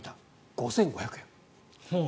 ５５００円。